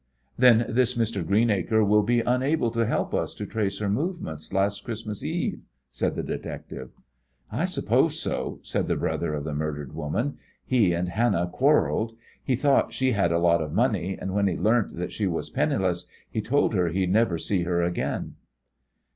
"Then this Mr. Greenacre will be unable to help us to trace her movements last Christmas Eve?" said the detective. "I suppose so," said the brother of the murdered woman. "He and Hannah quarrelled. He thought she had a lot of money, and when he learnt that she was penniless he told her he'd never see her again."